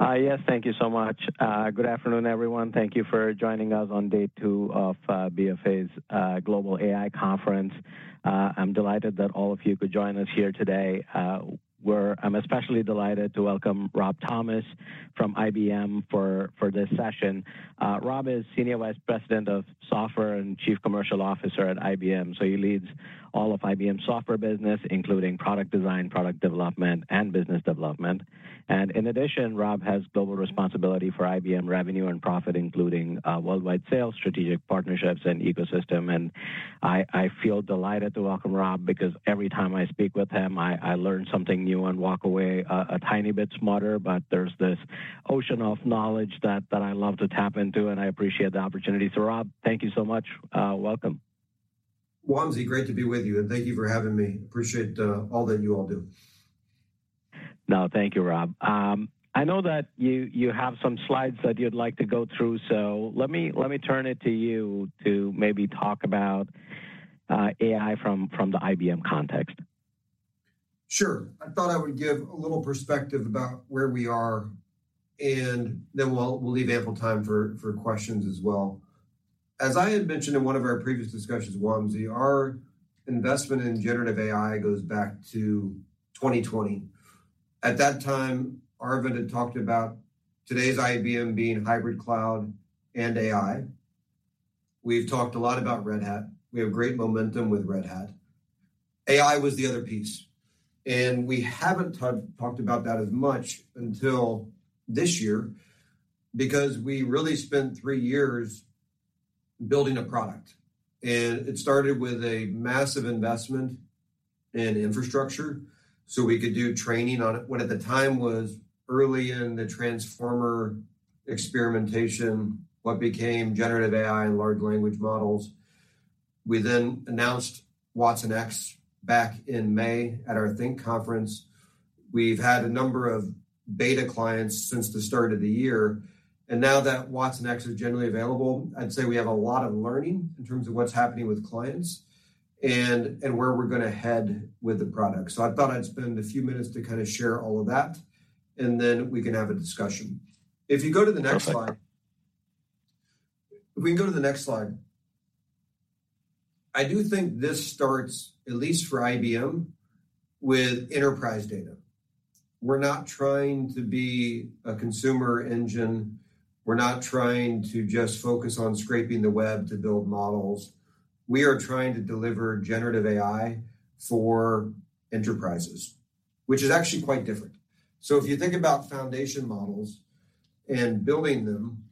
Yes, thank you so much. Good afternoon, everyone. Thank you for joining us on day two of BofA's Global AI Conference. I'm delighted that all of you could join us here today. I'm especially delighted to welcome Rob Thomas from IBM for this session. Rob is Senior Vice President of Software and Chief Commercial Officer at IBM, so he leads all of IBM's software business, including product design, product development, and business development. In addition, Rob has global responsibility for IBM revenue and profit, including worldwide sales, strategic partnerships, and ecosystem. I feel delighted to welcome Rob because every time I speak with him, I learn something new and walk away a tiny bit smarter. But there's this ocean of knowledge that I love to tap into, and I appreciate the opportunity. So Rob, thank you so much. Welcome. Wamsi, great to be with you, and thank you for having me. Appreciate, all that you all do. No, thank you, Rob. I know that you have some slides that you'd like to go through, so let me turn it to you to maybe talk about AI from the IBM context. Sure. I thought I would give a little perspective about where we are, and then we'll leave ample time for questions as well. As I had mentioned in one of our previous discussions, Wamsi, our investment in generative AI goes back to 2020. At that time, Arvind had talked about today's IBM being hybrid cloud and AI. We've talked a lot about Red Hat. We have great momentum with Red Hat. AI was the other piece, and we haven't talked about that as much until this year because we really spent three years building a product, and it started with a massive investment in infrastructure, so we could do training on what at the time was early in the transformer experimentation, what became generative AI and large language models. We then announced watsonx back in May at our Think Conference. We've had a number of beta clients since the start of the year, and now that watsonx is generally available, I'd say we have a lot of learning in terms of what's happening with clients and where we're going to head with the product. So I thought I'd spend a few minutes to share all of that, and then we can have a discussion. If you go to the next slide. If we can go to the next slide. I do think this starts, at least for IBM, with enterprise data. We're not trying to be a consumer engine. We're not trying to just focus on scraping the web to build models. We are trying to deliver generative AI for enterprises, which is actually quite different. So if you think about foundation models and building them,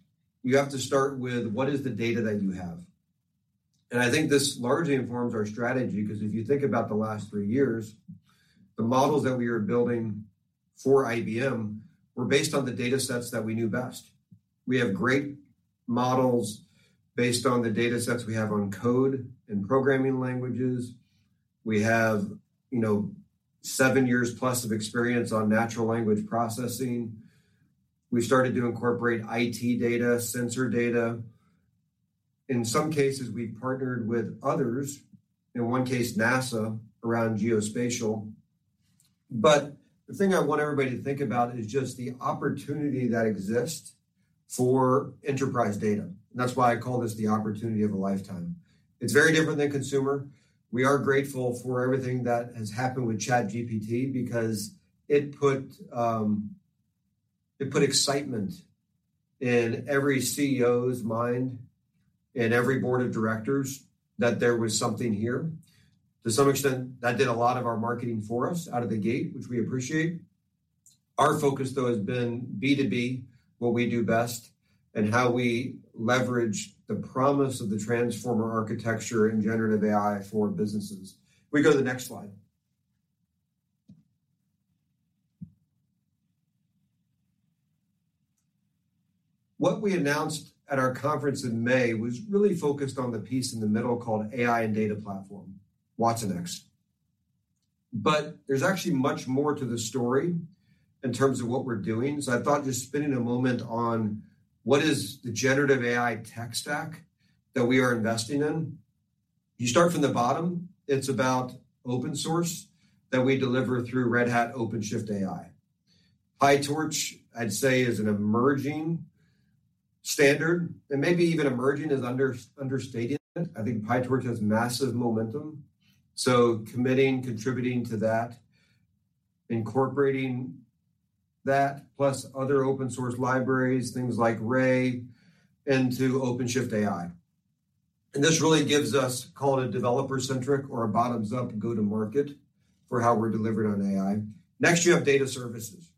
you have to start with: what is the data that you have? And I think this largely informs our strategy, because if you think about the last three years, the models that we are building for IBM were based on the data sets that we knew best. We have great models based on the data sets we have on code and programming languages. We have, you know, seven years plus of experience on natural language processing. We started to incorporate IT data, sensor data. In some cases, we partnered with others, in one case, NASA, around geospatial. But the thing I want everybody to think about is just the opportunity that exists for enterprise data. That's why I call this the opportunity of a lifetime. It's very different than consumer. We are grateful for everything that has happened with ChatGPT because it put excitement in every CEO's mind and every board of directors that there was something here. To some extent, that did a lot of our marketing for us out of the gate, which we appreciate. Our focus, though, has been B2B, what we do best, and how we leverage the promise of the Transformer architecture and generative AI for businesses. Can we go to the next slide? What we announced at our conference in May was really focused on the piece in the middle called AI and Data Platform, watsonx. But there's actually much more to the story in terms of what we're doing. So I thought just spending a moment on what is the generative AI tech stack that we are investing in. You start from the bottom. It's about open source that we deliver through Red Hat OpenShift AI. PyTorch, I'd say, is an emerging standard, and maybe even emerging is understating it. I think PyTorch has massive momentum, so committing, contributing to that, plus other open source libraries, things like Ray, into OpenShift AI. And this really gives us call it a developer-centric or a bottoms-up go-to-market for how we're delivering on AI. Next, you have data services.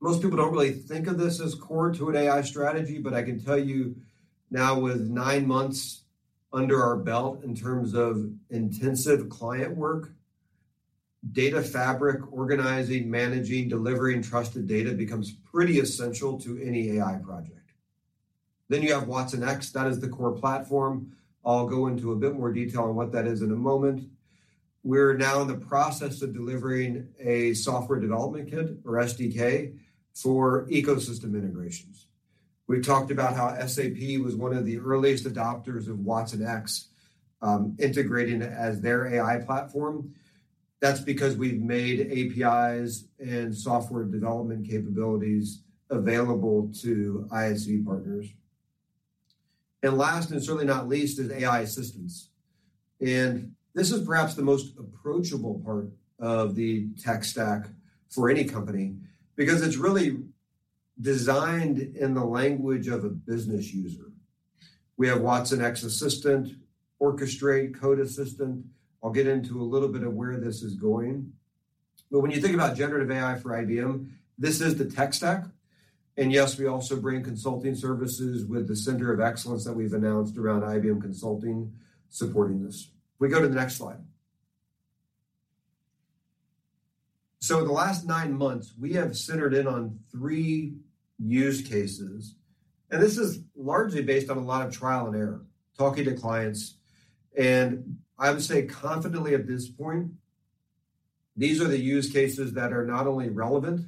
Most people don't really think of this as core to an AI strategy, but I can tell you now with nine months under our belt in terms of intensive client work, data fabric, organizing, managing, delivering trusted data becomes pretty essential to any AI project. Then you have watsonx. That is the core platform. I'll go into a bit more detail on what that is in a moment. We're now in the process of delivering a software development kit, or SDK, for ecosystem integrations. We've talked about how SAP was one of the earliest adopters of watsonx, integrating it as their AI platform. That's because we've made APIs and software development capabilities available to ISV partners. And last, and certainly not least, is AI assistance. This is perhaps the most approachable part of the tech stack for any company because it's really designed in the language of a business user. We have watsonx Assistant, Orchestrate, Code Assistant. I'll get into a little bit of where this is going, but when you think about generative AI for IBM, this is the tech stack. Yes, we also bring consulting services with the Center of Excellence that we've announced around IBM Consulting supporting this. If we go to the next slide. In the last nine months, we have centered in on three use cases, and this is largely based on a lot of trial and error, talking to clients, and I would say confidently at this point, these are the use cases that are not only relevant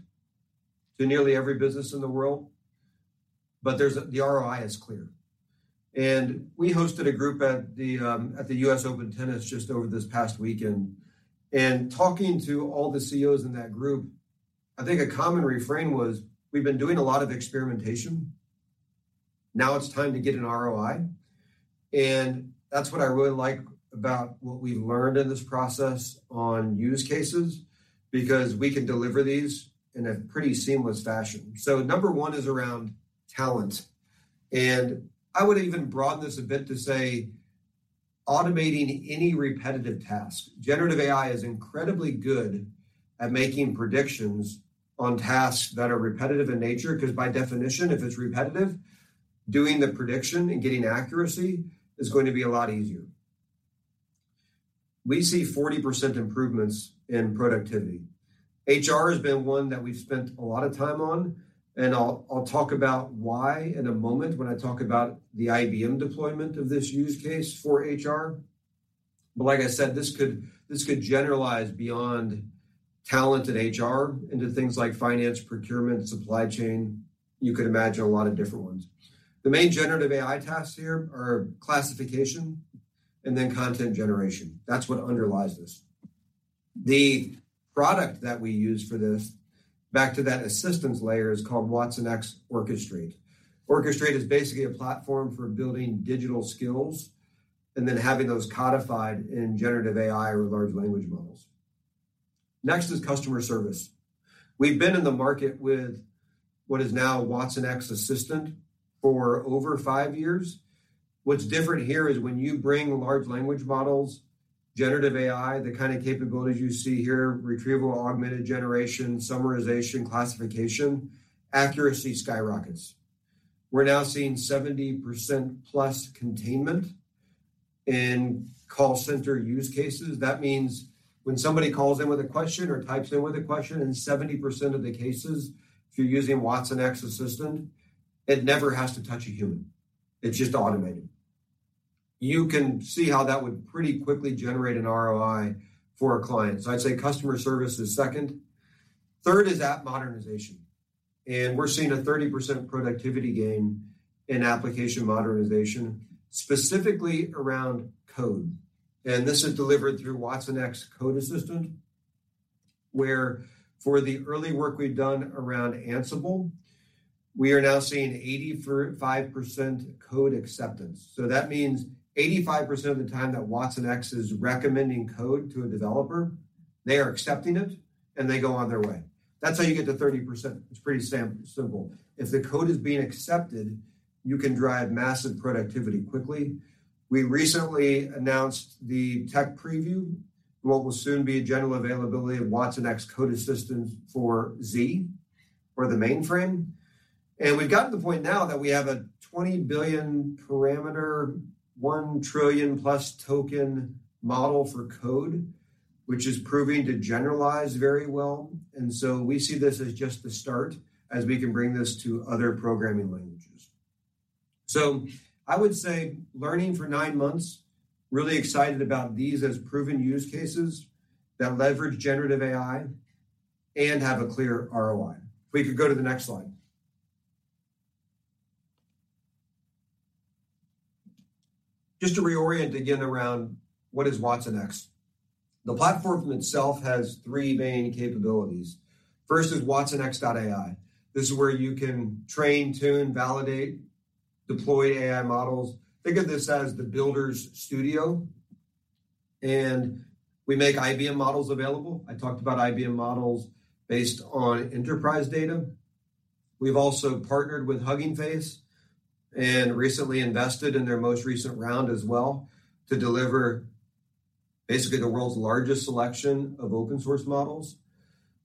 to nearly every business in the world, but there’s the ROI is clear. We hosted a group at the U.S. Open Tennis just over this past weekend, and talking to all the CEOs in that group, I think a common refrain was: We've been doing a lot of experimentation, now it's time to get an ROI. And that's what I really like about what we learned in this process on use cases, because we can deliver these in a pretty seamless fashion. So number one is around talent, and I would even broaden this a bit to say automating any repetitive task. Generative AI is incredibly good at making predictions on tasks that are repetitive in nature, because by definition, if it's repetitive, doing the prediction and getting accuracy is going to be a lot easier. We see 40% improvements in productivity. HR has been one that we've spent a lot of time on, and I'll talk about why in a moment when I talk about the IBM deployment of this use case for HR. But like I said, this could generalize beyond talent and HR into things like finance, procurement, supply chain. You could imagine a lot of different ones. The main generative AI tasks here are classification and then content generation. That's what underlies this. The product that we use for this, back to that assistance layer, is called watsonx Orchestrate. Orchestrate is basically a platform for building digital skills and then having those codified in generative AI or large language models. Next is customer service. We've been in the market with what is now watsonx Assistant for over five years. What's different here is when you bring large language models, generative AI, the kind of capabilities you see here, retrieval, augmented generation, summarization, classification, accuracy skyrockets. We're now seeing 70%+ containment in call center use cases. That means when somebody calls in with a question or types in with a question, in 70% of the cases, if you're using watsonx Assistant, it never has to touch a human. It's just automated. You can see how that would pretty quickly generate an ROI for a client. So I'd say customer service is second. Third is app modernization, and we're seeing a 30% productivity gain in application modernization, specifically around code. And this is delivered through watsonx Code Assistant, where for the early work we've done around Ansible, we are now seeing 85% code acceptance. So that means 85% of the time that watsonx is recommending code to a developer, they are accepting it, and they go on their way. That's how you get to 30%. It's pretty simple. If the code is being accepted, you can drive massive productivity quickly. We recently announced the tech preview, what will soon be a general availability of watsonx Code Assistant for Z or the mainframe. And we've gotten to the point now that we have a 20 billion parameter, 1 trillion+ token model for code, which is proving to generalize very well, and so we see this as just the start as we can bring this to other programming languages. So I would say learning for 9 months, really excited about these as proven use cases that leverage generative AI and have a clear ROI. If we could go to the next slide. Just to reorient again around what is watsonx? The platform itself has three main capabilities. First is watsonx.ai. This is where you can train, tune, validate, deploy AI models. Think of this as the builder's studio, and we make IBM models available. I talked about IBM models based on enterprise data. We've also partnered with Hugging Face and recently invested in their most recent round as well to deliver basically the world's largest selection of open source models.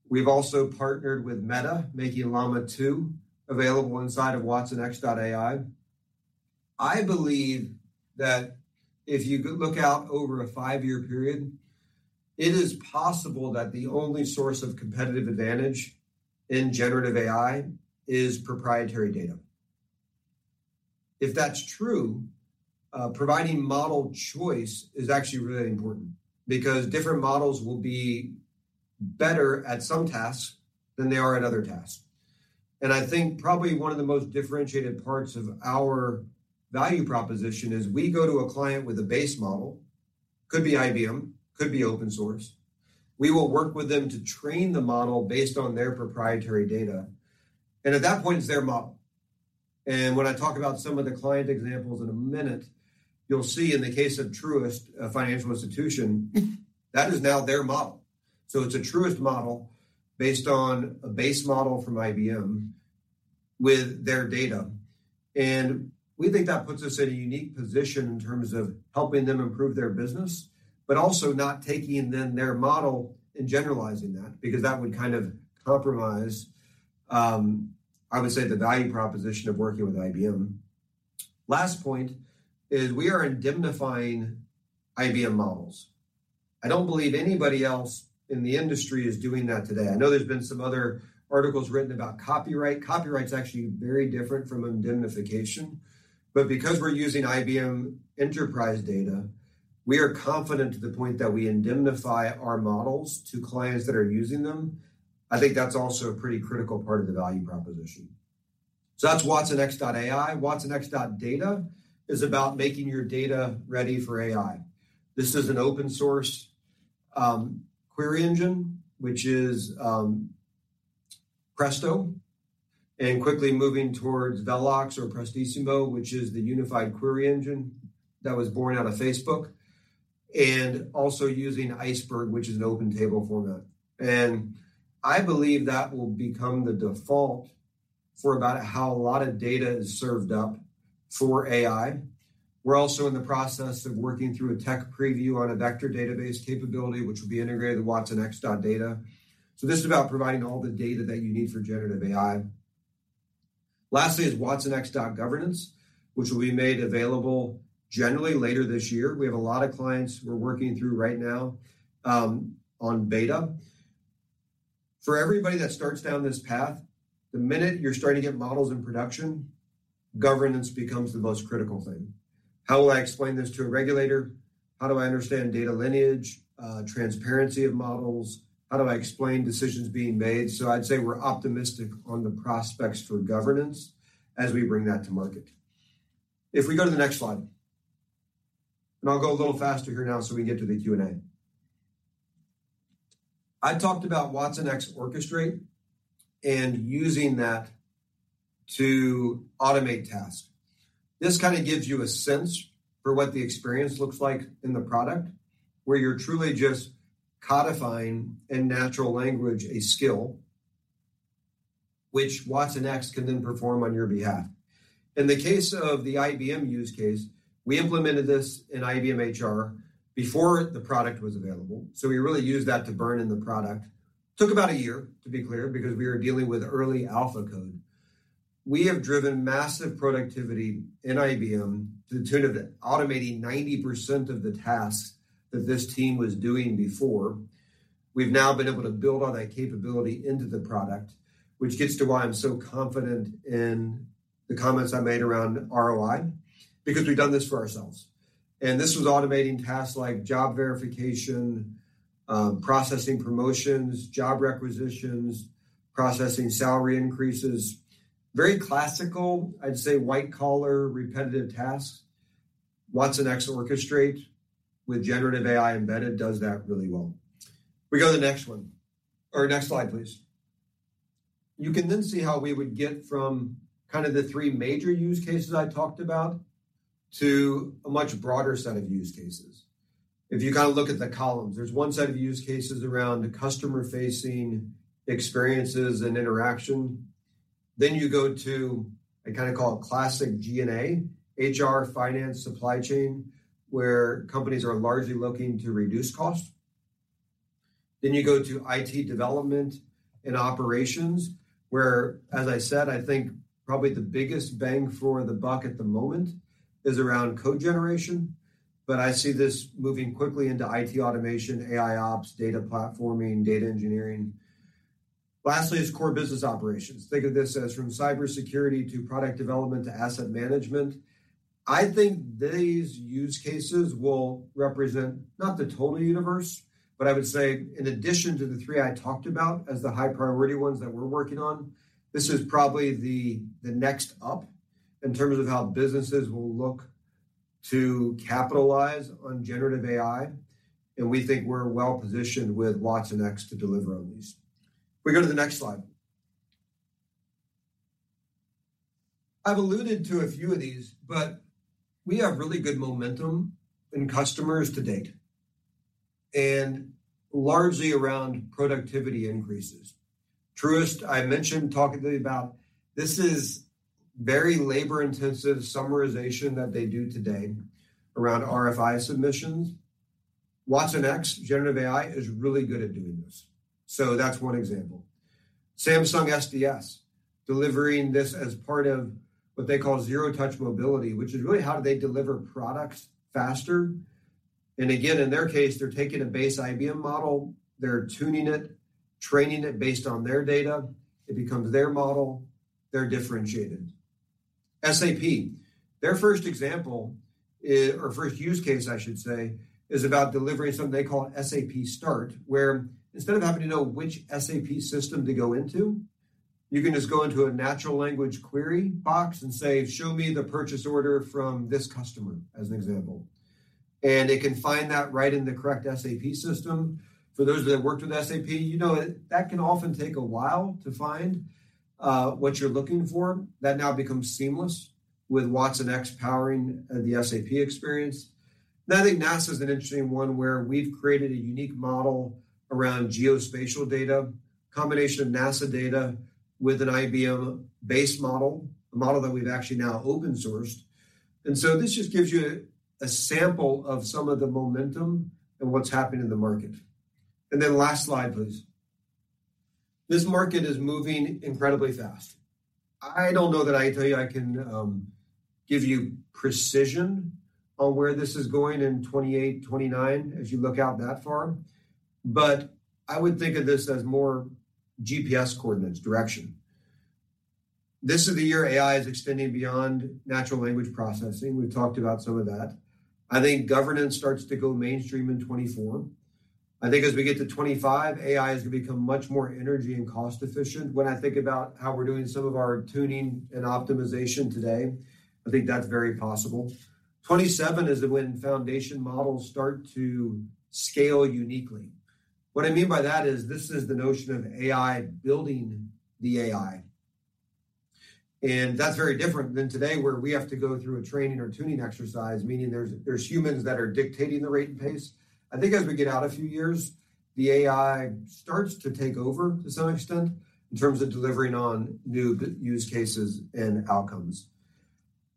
We've also partnered with Meta, making Llama 2 available inside of watsonx.ai. I believe that if you look out over a five-year period, it is possible that the only source of competitive advantage in generative AI is proprietary data. If that's true, providing model choice is actually really important because different models will be better at some tasks than they are at other tasks. And I think probably one of the most differentiated parts of our value proposition is we go to a client with a base model, could be IBM, could be open source. We will work with them to train the model based on their proprietary data, and at that point, it's their model. And when I talk about some of the client examples in a minute, you'll see in the case of Truist, a financial institution, that is now their model. So it's a Truist model based on a base model from IBM with their data, and we think that puts us in a unique position in terms of helping them improve their business, but also not taking then their model and generalizing that, because that would kind of compromise, I would say, the value proposition of working with IBM. Last point is we are indemnifying IBM models. I don't believe anybody else in the industry is doing that today. I know there's been some other articles written about copyright. Copyright is actually very different from indemnification, but because we're using IBM enterprise data, we are confident to the point that we indemnify our models to clients that are using them. I think that's also a pretty critical part of the value proposition. So that's watsonx.ai. watsonx.data is about making your data ready for AI. This is an open source query engine, which is Presto and quickly moving towards Velox or Presto, which is the unified query engine that was born out of Facebook, and also using Iceberg, which is an open table format. And I believe that will become the default for about how a lot of data is served up for AI. We're also in the process of working through a tech preview on a vector database capability, which will be integrated with watsonx.data. So this is about providing all the data that you need for generative AI. Lastly, is watsonx.governance, which will be made available generally later this year. We have a lot of clients we're working through right now, on beta. For everybody that starts down this path, the minute you're starting to get models in production, governance becomes the most critical thing. How will I explain this to a regulator? How do I understand data lineage, transparency of models? How do I explain decisions being made? So I'd say we're optimistic on the prospects for governance as we bring that to market. If we go to the next slide, and I'll go a little faster here now so we can get to the Q&A. I talked about watsonx Orchestrate and using that to automate tasks. This kind of gives you a sense for what the experience looks like in the product, where you're truly just codifying in natural language, a skill which watsonx can then perform on your behalf. In the case of the IBM use case, we implemented this in IBM HR before the product was available, so we really used that to burn in the product. Took about a year to be clear, because we were dealing with early alpha code. We have driven massive productivity in IBM to the tune of automating 90% of the tasks that this team was doing before. We've now been able to build on that capability into the product, which gets to why I'm so confident in the comments I made around ROI, because we've done this for ourselves. This was automating tasks like job verification, processing promotions, job requisitions, processing salary increases. Very classical, I'd say white-collar repetitive tasks. watsonx Orchestrate with generative AI embedded does that really well. We go to the next one or next slide, please. You can then see how we would get from kind of the three major use cases I talked about to a much broader set of use cases. If you kind of look at the columns, there's one set of use cases around customer-facing experiences and interaction. Then you go to, I kind of call it classic G&A, HR, finance, supply chain, where companies are largely looking to reduce cost. Then you go to IT development and operations, where, as I said, I think probably the biggest bang for the buck at the moment is around code generation, but I see this moving quickly into IT automation, AIOps, data platforming, data engineering. Lastly, is core business operations. Think of this as from cybersecurity to product development to asset management. I think these use cases will represent not the total universe, but I would say in addition to the three I talked about as the high priority ones that we're working on, this is probably the next up in terms of how businesses will look to capitalize on generative AI, and we think we're well-positioned with watsonx to deliver on these. We go to the next slide. I've alluded to a few of these, but we have really good momentum in customers to date and largely around productivity increases. Truist, I mentioned talking to you about this. This is very labor-intensive summarization that they do today around RFI submissions. watsonx generative AI is really good at doing this. So that's one example. Samsung SDS, delivering this as part of what they call Zero Touch Mobility, which is really how do they deliver products faster? And again, in their case, they're taking a base IBM model, they're tuning it, training it based on their data. It becomes their model, they're differentiated. SAP, their first example is, or first use case, I should say, is about delivering something they call SAP Start, where instead of having to know which SAP system to go into, you can just go into a natural language query box and say, "Show me the purchase order from this customer," as an example. And it can find that right in the correct SAP system. For those that have worked with SAP, you know that can often take a while to find what you're looking for. That now becomes seamless with watsonx powering the SAP experience. Then I think NASA is an interesting one, where we've created a unique model around geospatial data, a combination of NASA data with an IBM-based model, a model that we've actually now open sourced. And so this just gives you a sample of some of the momentum and what's happening in the market. And then last slide, please. This market is moving incredibly fast. I don't know that I tell you, I can give you precision on where this is going in 2028, 2029 as you look out that far, but I would think of this as more GPS coordinates, direction. This is the year AI is extending beyond natural language processing. We've talked about some of that. I think governance starts to go mainstream in 2024. I think as we get to 2025, AI is going to become much more energy and cost-efficient. When I think about how we're doing some of our tuning and optimization today, I think that's very possible. 2027 is when foundation models start to scale uniquely. What I mean by that is, this is the notion of AI building the AI, and that's very different than today, where we have to go through a training or tuning exercise, meaning there's humans that are dictating the rate and pace. I think as we get out a few years, the AI starts to take over to some extent, in terms of delivering on new use cases and outcomes.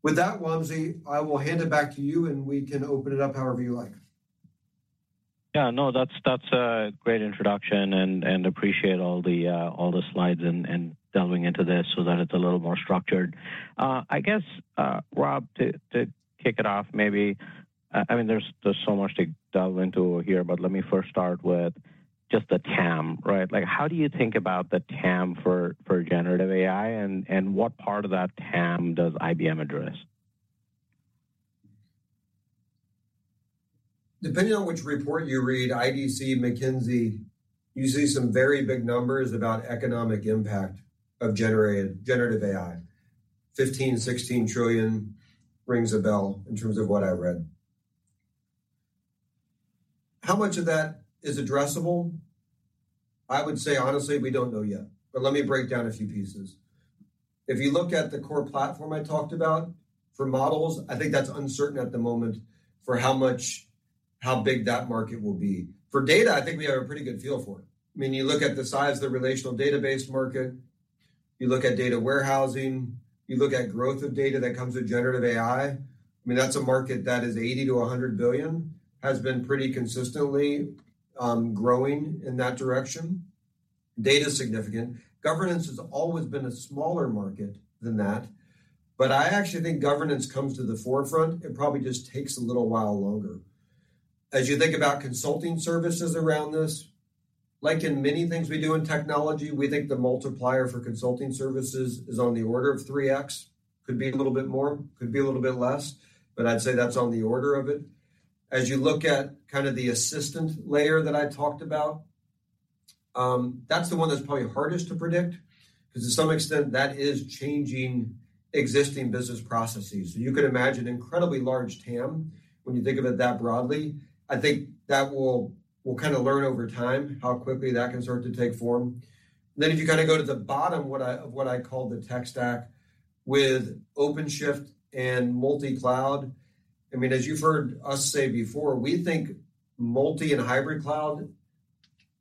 With that, Wamsi, I will hand it back to you, and we can open it up however you like. Yeah, no, that's a great introduction and appreciate all the slides and delving into this so that it's a little more structured. I guess, Rob, to kick it off, maybe, I mean, there's so much to delve into here, but let me first start with just the TAM, right? Like, how do you think about the TAM for generative AI, and what part of that TAM does IBM address? Depending on which report you read, IDC, McKinsey, you see some very big numbers about economic impact of generative AI. 15, 16 trillion rings a bell in terms of what I read. How much of that is addressable? I would say honestly, we don't know yet, but let me break down a few pieces. If you look at the core platform I talked about for models, I think that's uncertain at the moment for how big that market will be. For data, I think we have a pretty good feel for it. I mean, you look at the size of the relational database market, you look at data warehousing, you look at growth of data that comes with generative AI. I mean, that's a market that is $80 billion-$100 billion, has been pretty consistently growing in that direction. Data is significant. Governance has always been a smaller market than that, but I actually think governance comes to the forefront. It probably just takes a little while longer. As you think about consulting services around this, like in many things we do in technology, we think the multiplier for consulting services is on the order of 3x. Could be a little bit more, could be a little bit less, but I'd say that's on the order of it. As you look at kind of the assistant layer that I talked about, that's the one that's probably hardest to predict because to some extent that is changing existing business processes. So you could imagine incredibly large TAM when you think of it that broadly. I think that we'll kind of learn over time how quickly that can start to take form. Then if you kind of go to the bottom, what I call the tech stack with OpenShift and multi-cloud. I mean, as you've heard us say before, we think multi and hybrid cloud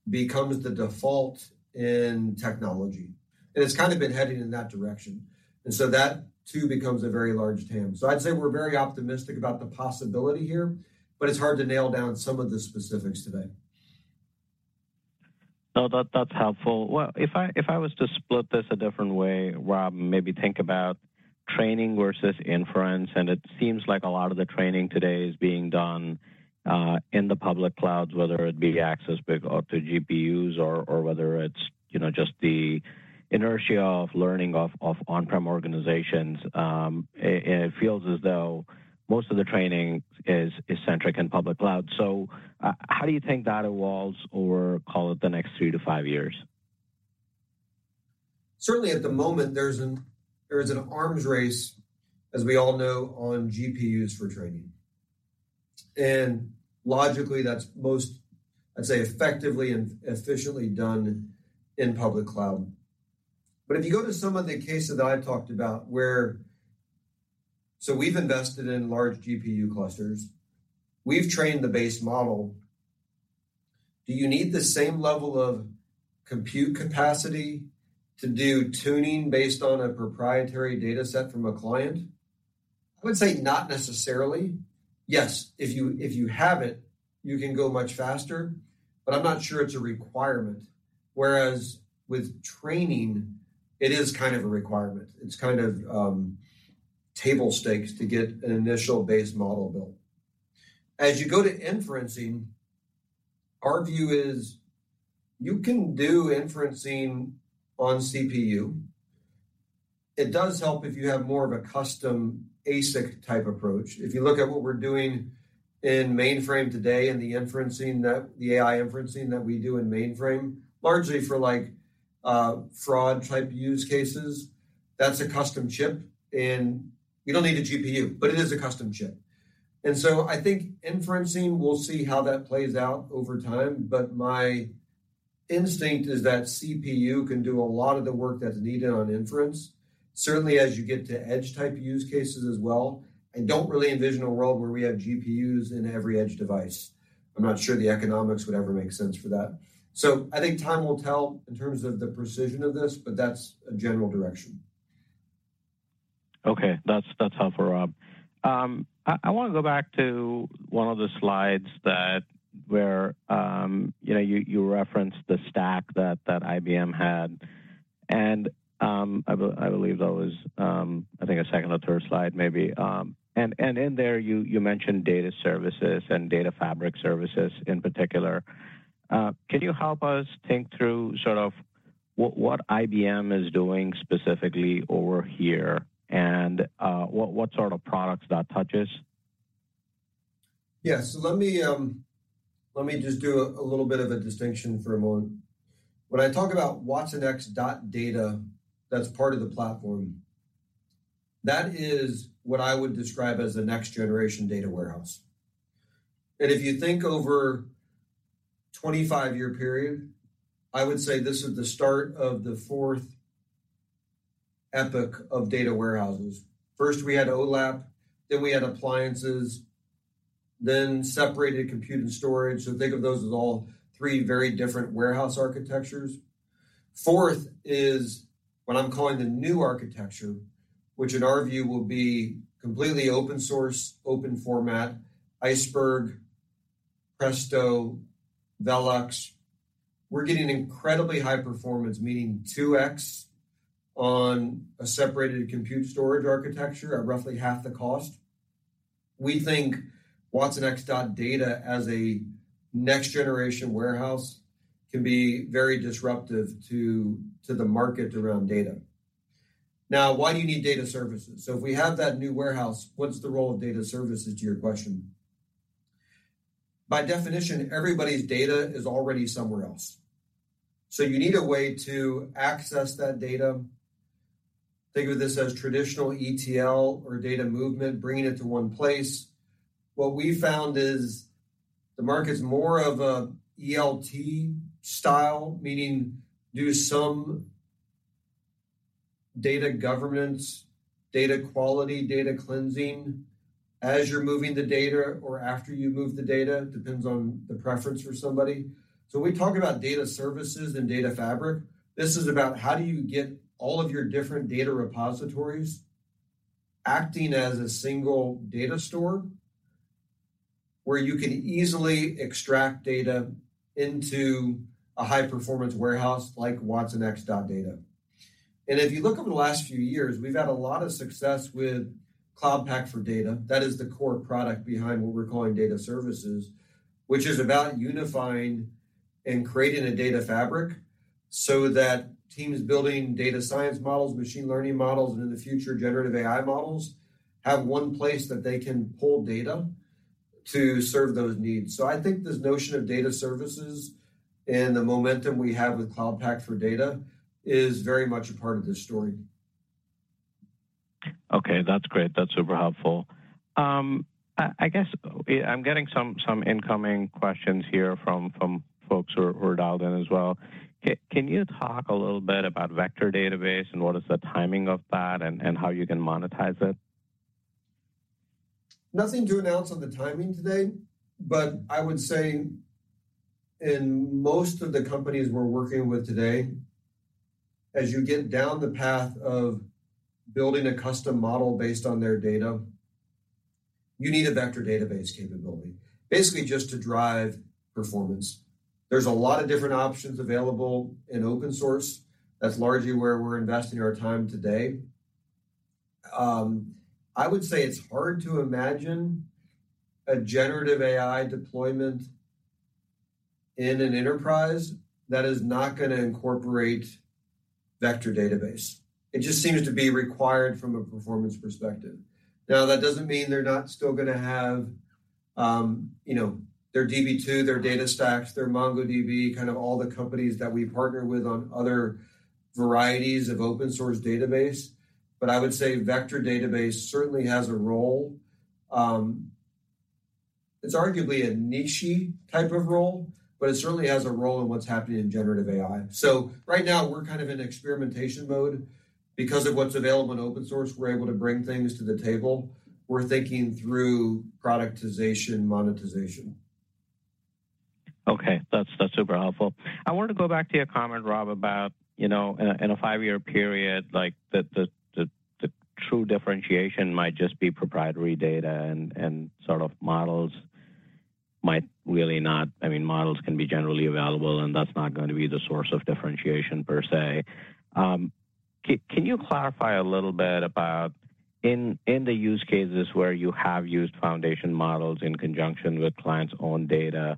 becomes the default in technology, and it's kind of been heading in that direction. And so that too becomes a very large TAM. So I'd say we're very optimistic about the possibility here, but it's hard to nail down some of the specifics today. No, that's helpful. Well, if I was to split this a different way, Rob, maybe think about training versus inference, and it seems like a lot of the training today is being done in the public clouds, whether it be access big or to GPUs or whether it's, you know, just the inertia of learning of on-prem organizations. And it feels as though most of the training is centric in public cloud. So how do you think that evolves over, call it, the next three to five years? Certainly at the moment, there's an arms race, as we all know, on GPUs for training. And logically, that's most, I'd say, effectively and efficiently done in public cloud. But if you go to some of the cases that I talked about where, so we've invested in large GPU clusters, we've trained the base model. Do you need the same level of compute capacity to do tuning based on a proprietary data set from a client? I would say not necessarily. Yes, if you have it, you can go much faster, but I'm not sure it's a requirement, whereas with training, it is kind of a requirement. It's kind of, table stakes to get an initial base model built. As you go to inferencing, our view is you can do inferencing on CPU. It does help if you have more of a custom ASIC-type approach. If you look at what we're doing in mainframe today and the AI inferencing that we do in mainframe, largely for like, fraud-type use cases, that's a custom chip, and you don't need a GPU, but it is a custom chip. So I think inferencing, we'll see how that plays out over time, but my instinct is that CPU can do a lot of the work that's needed on inference. Certainly, as you get to edge-type use cases as well, I don't really envision a world where we have GPUs in every edge device. I'm not sure the economics would ever make sense for that. So I think time will tell in terms of the precision of this, but that's a general direction. Okay. That's helpful, Rob. I wanna go back to one of the slides where, you know, you referenced the stack that IBM had, and I believe that was, I think a second or third slide maybe. In there you mentioned data services and data fabric services in particular. Can you help us think through sort of what IBM is doing specifically over here and what sort of products that touches? Yeah. So let me just do a little bit of a distinction for a moment. When I talk about watsonx.data, that's part of the platform. That is what I would describe as the next generation data warehouse. And if you think over a 25-year period, I would say this is the start of the fourth epoch of data warehouses. First, we had OLAP, then we had appliances, then separated compute and storage. So think of those as all three very different warehouse architectures. Fourth is what I'm calling the new architecture, which in our view will be completely open source, open format, Iceberg, Presto, Velox. We're getting incredibly high performance, meaning 2x on a separated compute storage architecture at roughly half the cost. We think watsonx.data as a next generation warehouse can be very disruptive to the market around data. Now, why do you need data services? So if we have that new warehouse, what's the role of data services to your question? By definition, everybody's data is already somewhere else, so you need a way to access that data. Think of this as traditional ETL or data movement, bringing it to one place. What we found is the market's more of a ELT style, meaning do some data governance, data quality, data cleansing as you're moving the data or after you move the data, depends on the preference for somebody. So we talk about data services and data fabric. This is about how do you get all of your different data repositories acting as a single data store, where you can easily extract data into a high-performance warehouse like watsonx.data. If you look over the last few years, we've had a lot of success with Cloud Pak for Data. That is the core product behind what we're calling data services, which is about unifying and creating a data fabric so that teams building data science models, machine learning models, and in the future, generative AI models, have one place that they can pull data to serve those needs. So I think this notion of data services and the momentum we have with Cloud Pak for Data is very much a part of this story. Okay. That's great. That's super helpful. I guess I'm getting some incoming questions here from folks who are dialed in as well. Can you talk a little bit about vector database and what is the timing of that and how you can monetize it? Nothing to announce on the timing today, but I would say in most of the companies we're working with today, as you get down the path of building a custom model based on their data, you need a vector database capability, basically just to drive performance. There's a lot of different options available in open source. That's largely where we're investing our time today. I would say it's hard to imagine a generative AI deployment in an enterprise that is not gonna incorporate vector database. It just seems to be required from a performance perspective. Now, that doesn't mean they're not still gonna have, you know, their Db2, their DataStax, their MongoDB, kind of all the companies that we partner with on other varieties of open source database. But I would say vector database certainly has a role. It's arguably a niche-y type of role, but it certainly has a role in what's happening in generative AI. Right now, we're kind of in experimentation mode. Because of what's available in open source, we're able to bring things to the table. We're thinking through productization, monetization. Okay. That's super helpful. I wanted to go back to your comment, Rob, about, you know, in a five-year period, like, the true differentiation might just be proprietary data and sort of models might really not, I mean, models can be generally available, and that's not going to be the source of differentiation per se. Can you clarify a little bit about in the use cases where you have used foundation models in conjunction with clients' own data,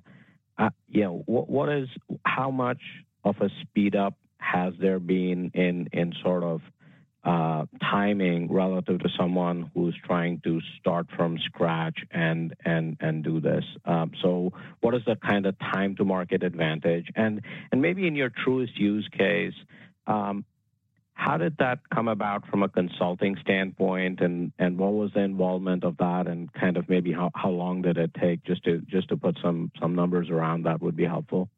how much of a speed up has there been in sort of timing relative to someone who's trying to start from scratch and do this? So what is the kind of time to market advantage? Maybe in your Truist use case, how did that come about from a consulting standpoint, and what was the involvement of that, and kind of maybe how long did it take? Just to put some numbers around that would be helpful.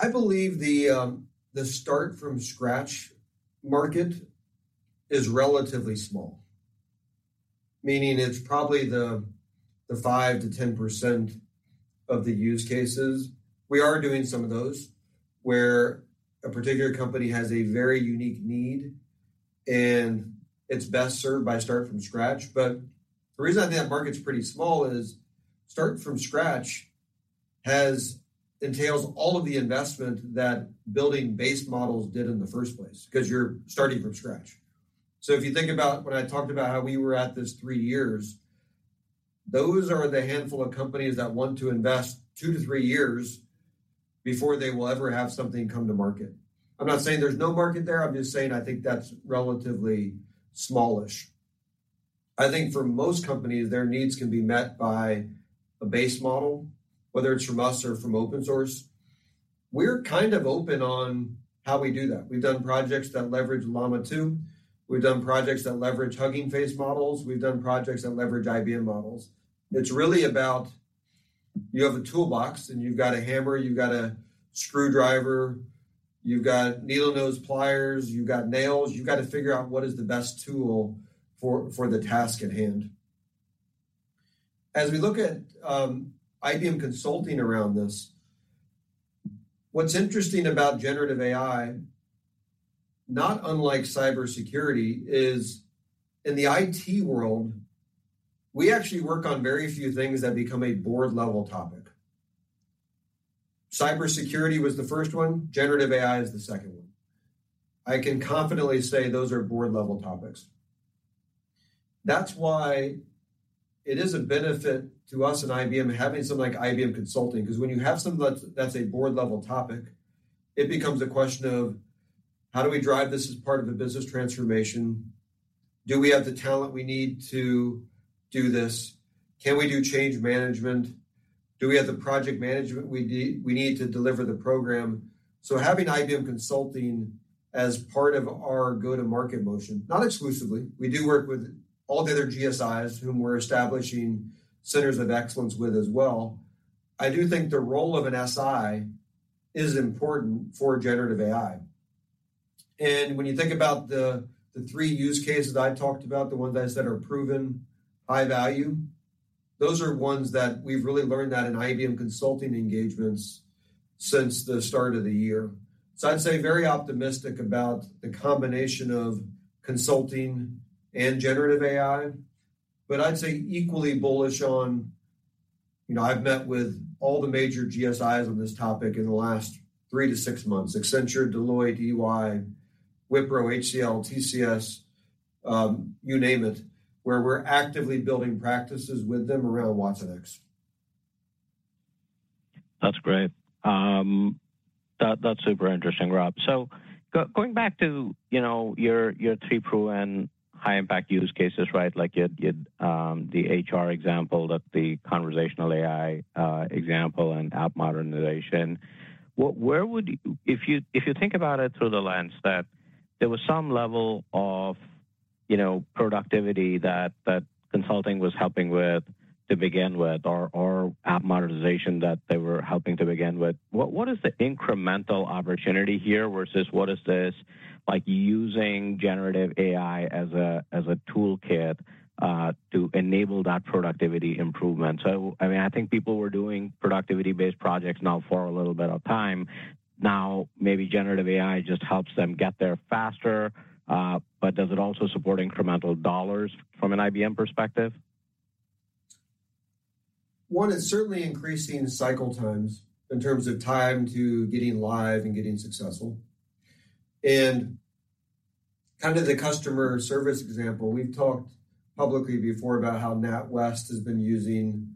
I believe the start from scratch market is relatively small. Meaning it's probably the 5%-10% of the use cases. We are doing some of those, where a particular company has a very unique need, and it's best served by start from scratch. But the reason I think that market's pretty small is start from scratch entails all of the investment that building base models did in the first place, because you're starting from scratch. So if you think about when I talked about how we were at this three years, those are the handful of companies that want to invest two to three years before they will ever have something come to market. I'm not saying there's no market there; I'm just saying I think that's relatively smallish. I think for most companies, their needs can be met by a base model, whether it's from us or from open source. We're kind of open on how we do that. We've done projects that leverage Llama 2. We've done projects that leverage Hugging Face models. We've done projects that leverage IBM models. It's really about you have a toolbox, and you've got a hammer, you've got a screwdriver, you've got needle-nose pliers, you've got nails. You've got to figure out what is the best tool for the task at hand. As we look at IBM Consulting around this, what's interesting about generative AI, not unlike cybersecurity, is in the IT world, we actually work on very few things that become a board-level topic. Cybersecurity was the first one. Generative AI is the second one. I can confidently say those are board-level topics. That's why it is a benefit to us at IBM having something like IBM Consulting, because when you have something that's a board-level topic, it becomes a question of: how do we drive this as part of a business transformation? Do we have the talent we need to do this? Can we do change management? Do we have the project management we need to deliver the program? So having IBM Consulting as part of our go-to-market motion, not exclusively, we do work with all the other GSIs, whom we're establishing centers of excellence with as well. I do think the role of an SI is important for generative AI. When you think about the three use cases I talked about, the ones that I said are proven high value, those are ones that we've really learned that in IBM Consulting engagements since the start of the year. So I'd say very optimistic about the combination of consulting and generative AI, but I'd say equally bullish on, you know, I've met with all the major GSIs on this topic in the last three to six months: Accenture, Deloitte, EY, Wipro, HCL, TCS, you name it, where we're actively building practices with them around watsonx. That's great. That's super interesting, Rob. So going back to, you know, your three proven high-impact use cases, right? Like your the HR example, the conversational AI example, and app modernization. If you think about it through the lens that there was some level of, you know, productivity that consulting was helping with to begin with or app modernization that they were helping to begin with, what is the incremental opportunity here versus what is this, like, using generative AI as a toolkit to enable that productivity improvement? So, I mean, I think people were doing productivity-based projects now for a little bit of time. Now, maybe generative AI just helps them get there faster, but does it also support incremental dollars from an IBM perspective? One, it's certainly increasing cycle times in terms of time to getting live and getting successful. And kind of the customer service example, we've talked publicly before about how NatWest has been using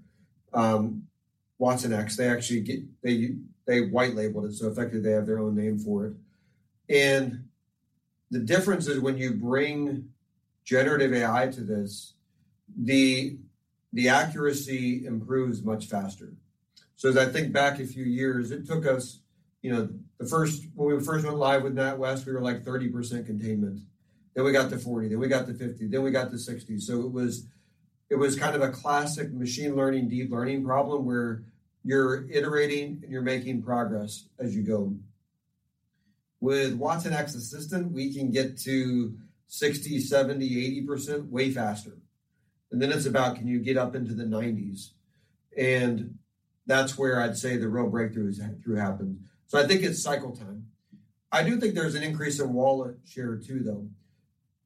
watsonx. They actually white-labeled it, so effectively they have their own name for it. And the difference is when you bring generative AI to this, the accuracy improves much faster. So as I think back a few years, it took us, you know, when we first went live with NatWest, we were, like, 30% containment. Then we got to 40%, then we got to 50%, then we got to 60%. So it was kind of a classic machine learning, deep learning problem, where you're iterating and you're making progress as you go. With watsonx Assistant, we can get to 60%, 70%, 80% way faster. And then it's about can you get up into the nineties? And that's where I'd say the real breakthrough is, breakthrough happens. So I think it's cycle time. I do think there's an increase in wallet share, too, though.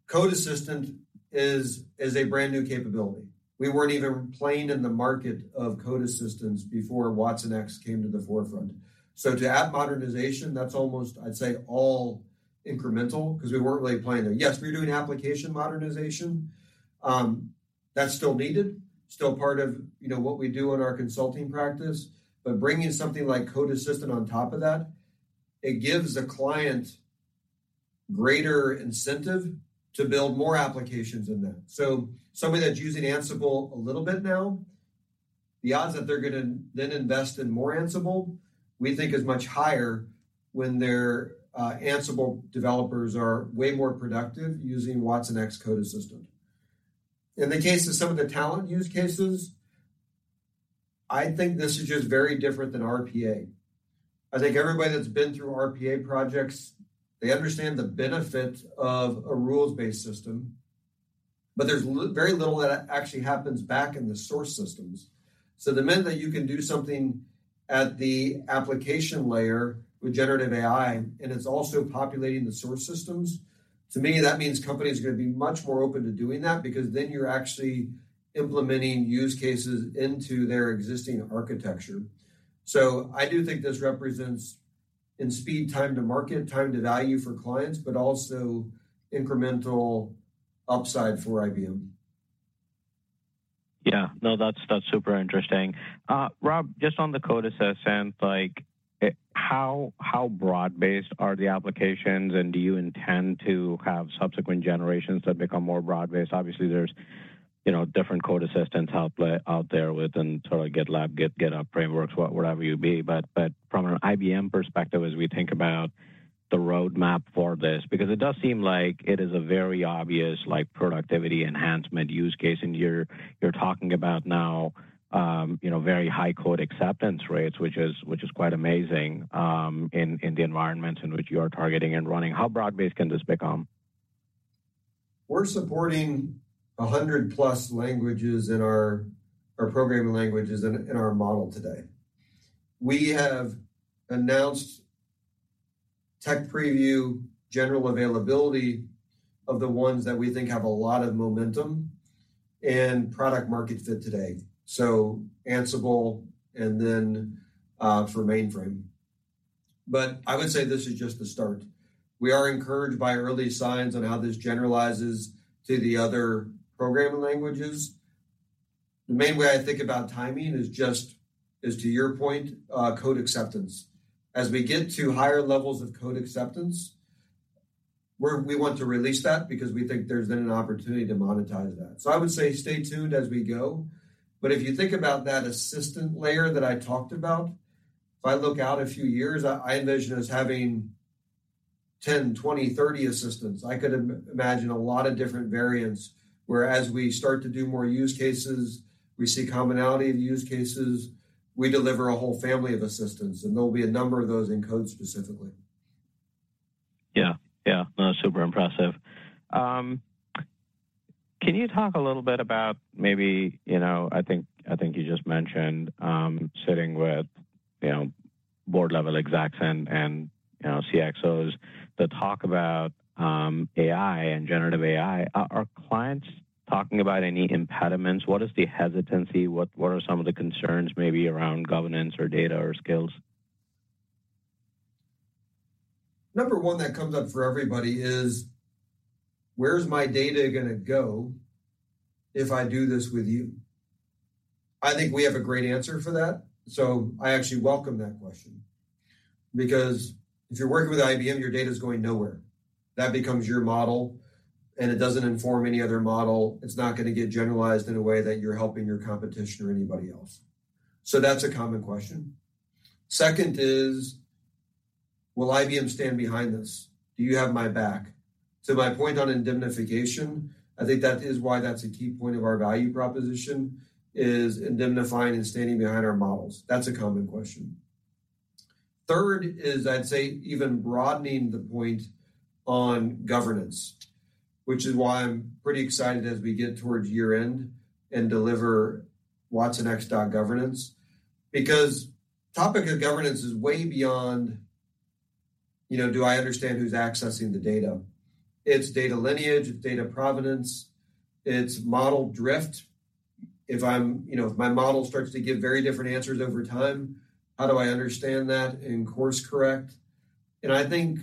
Code Assistant is a brand new capability. We weren't even playing in the market of code assistants before watsonx came to the forefront. So to add modernization, that's almost, I'd say, all incremental, 'cause we weren't really playing there. Yes, we were doing application modernization. That's still needed, still part of, you know, what we do in our consulting practice. But bringing something like Code Assistant on top of that, it gives the client greater incentive to build more applications in them. So somebody that's using Ansible a little bit now, the odds that they're gonna then invest in more Ansible, we think is much higher when their Ansible developers are way more productive using watsonx Code Assistant. In the case of some of the talent use cases, I think this is just very different than RPA. I think everybody that's been through RPA projects, they understand the benefit of a rules-based system, but there's very little that actually happens back in the source systems. So the minute that you can do something at the application layer with generative AI, and it's also populating the source systems, to me, that means companies are gonna be much more open to doing that because then you're actually implementing use cases into their existing architecture. I do think this represents in speed, time to market, time to value for clients, but also incremental upside for IBM. Yeah. No, that's super interesting. Rob, just on the Code Assistant, like, how broad-based are the applications, and do you intend to have subsequent generations that become more broad-based? Obviously, there's, you know, different code assistants out there within sort of GitLab, GitHub frameworks, whatever, wherever you be. But from an IBM perspective, as we think about the roadmap for this, because it does seem like it is a very obvious, like, productivity enhancement use case, and you're talking about now, you know, very high code acceptance rates, which is quite amazing in the environments in which you are targeting and running. How broad-based can this become? We're supporting 100+ languages in our or programming languages in our model today. We have announced tech preview, general availability of the ones that we think have a lot of momentum and product-market fit today, so Ansible and then, for mainframe. But I would say this is just the start. We are encouraged by early signs on how this generalizes to the other programming languages. The main way I think about timing is just, as to your point, code acceptance. As we get to higher levels of code acceptance, we're, we want to release that because we think there's then an opportunity to monetize that. So I would say stay tuned as we go. But if you think about that assistant layer that I talked about, if I look out a few years, I, I envision us having 10, 20, 30 assistants. I could imagine a lot of different variants, whereas we start to do more use cases, we see commonality in the use cases, we deliver a whole family of assistants, and there'll be a number of those in code specifically. Yeah. Yeah. No, super impressive. Can you talk a little bit about maybe, you know, I think, I think you just mentioned sitting with, you know, board-level execs and, and, you know, CXOs to talk about AI and generative AI. Are clients talking about any impediments? What is the hesitancy? What are some of the concerns maybe around governance or data or skills? Number one that comes up for everybody is: Where's my data gonna go if I do this with you? I think we have a great answer for that, so I actually welcome that question. Because if you're working with IBM, your data is going nowhere. That becomes your model, and it doesn't inform any other model. It's not gonna get generalized in a way that you're helping your competition or anybody else. So that's a common question. Second is: Will IBM stand behind this? Do you have my back? To my point on indemnification, I think that is why that's a key point of our value proposition, is indemnifying and standing behind our models. That's a common question. Third is, I'd say, even broadening the point on governance, which is why I'm pretty excited as we get towards year-end and deliver watsonx.governance. Because topic of governance is way beyond, you know, do I understand who's accessing the data? It's data lineage, it's data provenance, it's model drift. You know, if my model starts to give very different answers over time, how do I understand that and course correct? And I think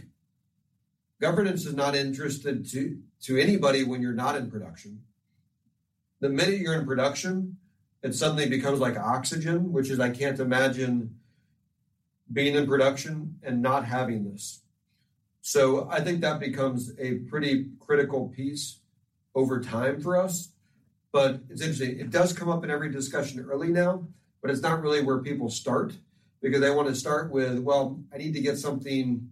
governance is not interesting to anybody when you're not in production. The minute you're in production, it suddenly becomes like oxygen, which is I can't imagine being in production and not having this. So I think that becomes a pretty critical piece over time for us. But it's interesting. It does come up in every discussion early now, but it's not really where people start. Because they want to start with, "Well, I need to get something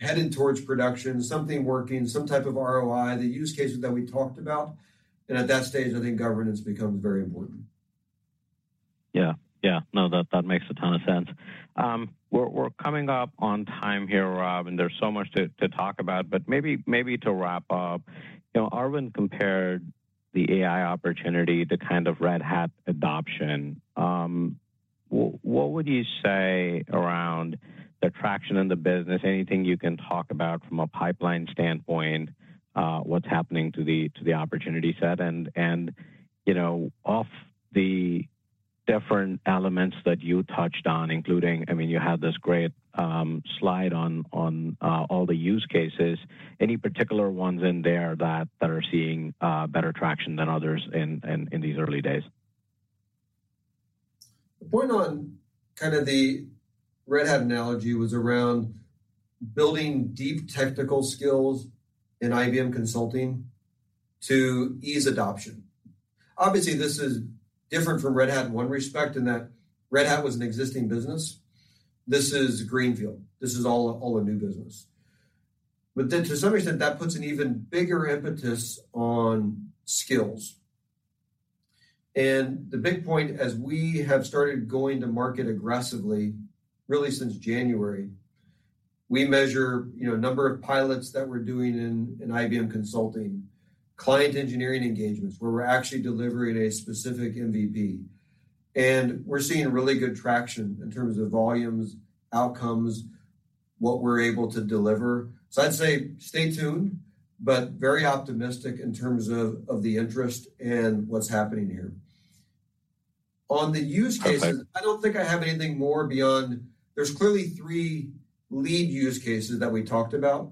headed towards production, something working, some type of ROI," the use cases that we talked about, and at that stage, I think governance becomes very important. Yeah. Yeah. No, that makes a ton of sense. We're coming up on time here, Rob, and there's so much to talk about, but maybe to wrap up, you know, Arvind compared the AI opportunity to kind of Red Hat adoption. What would you say around the traction in the business? Anything you can talk about from a pipeline standpoint, what's happening to the opportunity set? And, you know, of the different elements that you touched on, including I mean, you had this great slide on all the use cases. Any particular ones in there that are seeing better traction than others in these early days? The point on kind of the Red Hat analogy was around building deep technical skills in IBM Consulting to ease adoption. Obviously, this is different from Red Hat in one respect, in that Red Hat was an existing business. This is greenfield. This is all a new business. But then to some extent, that puts an even bigger impetus on skills. And the big point, as we have started going to market aggressively, really since January, we measure, you know, number of pilots that we're doing in IBM Consulting, client engineering engagements, where we're actually delivering a specific MVP. And we're seeing really good traction in terms of volumes, outcomes, what we're able to deliver. So I'd say stay tuned, but very optimistic in terms of the interest and what's happening here. On the use cases, I don't think I have anything more beyond. There's clearly three lead use cases that we talked about.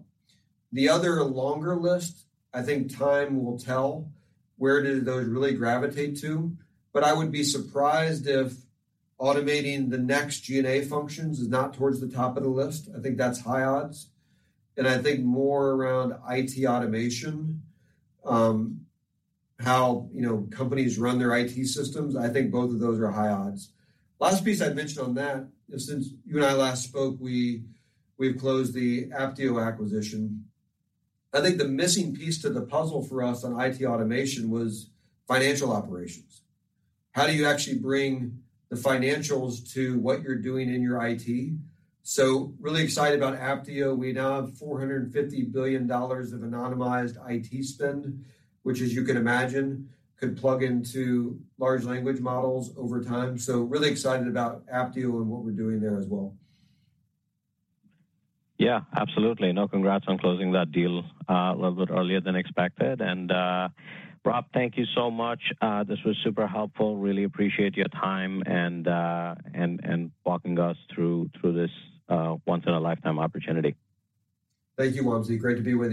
The other longer list, I think time will tell where do those really gravitate to, but I would be surprised if automating the next G&A functions is not towards the top of the list. I think that's high odds, and I think more around IT automation, how, you know, companies run their IT systems. I think both of those are high odds. Last piece I'd mention on that is, since you and I last spoke, we've closed the Apptio acquisition. I think the missing piece to the puzzle for us on IT automation was financial operations. How do you actually bring the financials to what you're doing in your IT? So really excited about Apptio. We now have $450 billion of anonymized IT spend, which, as you can imagine, could plug into large language models over time. So really excited about Apptio and what we're doing there as well. Yeah, absolutely. No, congrats on closing that deal a little bit earlier than expected. And, Rob, thank you so much. This was super helpful. Really appreciate your time and walking us through this once in a lifetime opportunity. Thank you, Wamsi. Great to be with you.